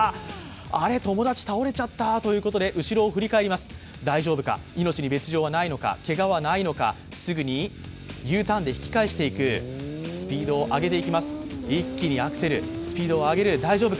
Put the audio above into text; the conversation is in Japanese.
あれ、友達倒れちゃったということで後ろを振り返ります、大丈夫か命に別状はないのか、けがはないのかすぐにＵターンでスピードを上げていきます、イッキにアクセル、スピードを上げる。